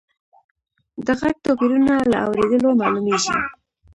د غږ توپیرونه له اورېدلو معلومیږي.